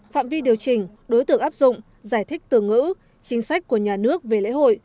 phạm vi điều chỉnh đối tượng áp dụng giải thích từ ngữ chính sách của nhà nước về lễ hội